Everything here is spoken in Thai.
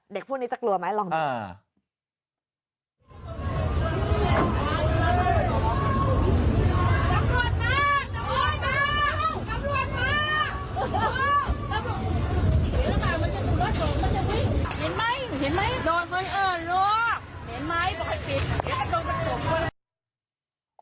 พวกนี้จะกลัวไหมลองดู